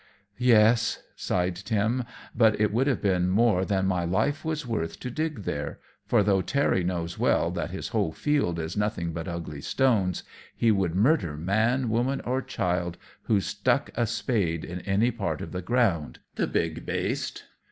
"Yes," sighed Tim; "but it would have been more than my life was worth to dig there, for though Terry knows well that his whole field is nothing but ugly stones, he would murther man, woman, or child who stuck a spade in any part of the ground the big baste."